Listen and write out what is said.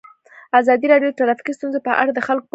ازادي راډیو د ټرافیکي ستونزې په اړه د خلکو پوهاوی زیات کړی.